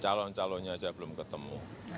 calon calonnya belum ketemu